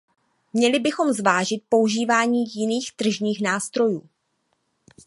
Měli bychom zvážit používání jiných tržních nástrojů.